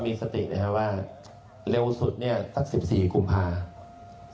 มีสติดเลยค่ะว่าเร็วสุดเนี่ยสัก๑๔กุมภาพันธ์